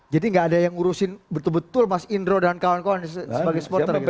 jadi gak ada yang ngurusin betul betul mas indro dan kawan kawan sebagai supporter gitu